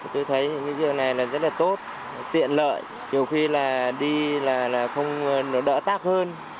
tôi thấy việc này rất là tốt tiện lợi nhiều khi đi đỡ tác hơn